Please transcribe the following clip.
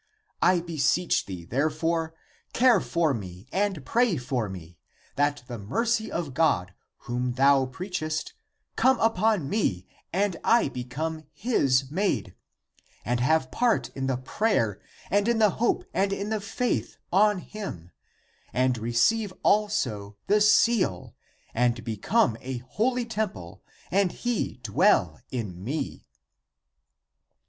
I beseech thee, therefore, care for me and pray for me, that the mercy of God, whom thou preachest, come upon me and I become his maid, and have part in the prayer and in the hope and in the faith on him, and receive also the seal and be come a holy temple and he dwell in me."